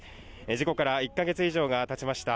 事故から１か月以上がたちました。